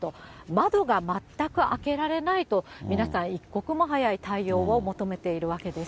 窓が全く開けられないと、皆さん一刻も早い対応を求めているわけです。